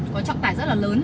có trọng tải rất là lớn